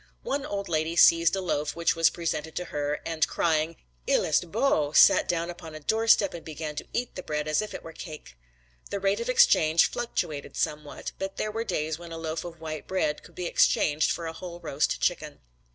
One old lady seized a loaf which was presented to her and crying "il est beau," sat down upon a doorstep and began to eat the bread as if it were cake. The rate of exchange fluctuated somewhat but there were days when a loaf of white bread could be exchanged for a whole roast chicken.